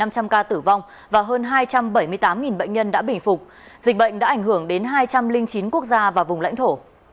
năm trăm linh ca tử vong và hơn hai trăm bảy mươi tám bệnh nhân đã bình phục dịch bệnh đã ảnh hưởng đến hai trăm linh chín quốc gia và vùng lãnh thổ